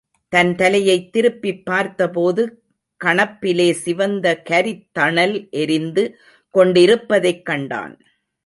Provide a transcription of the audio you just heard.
தன் தலையைத் திருப்பிப் பார்த்த போது, கணப்பிலே சிவந்த கரித்தணல் எரிந்து கொண்டிருப்பதைக் கண்டான்.